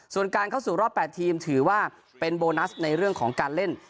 ส่วนการเข้าสู่รอบ๘ทีมถือว่าเป็นโบนัสในเรื่องของการเล่น